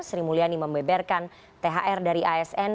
sri mulyani membeberkan thr dari asn